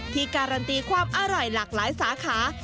การันตีความอร่อยหลากหลายสาขา